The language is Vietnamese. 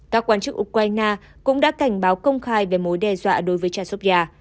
các quan chức ukraine cũng đã cảnh báo công khai về mối đe dọa đối với chashogya